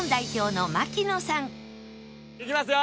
いきますよ！